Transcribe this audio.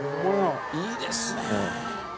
いいですね。